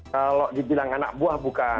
kalau dibilang anak buah bukan